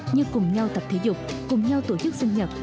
như cùng nhau tập thể dục cùng nhau tổ chức sinh nhật